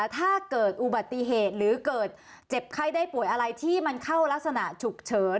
ถ้าเกิดอุบัติเหตุหรือเกิดเจ็บไข้ได้ป่วยอะไรที่มันเข้ารักษณะฉุกเฉิน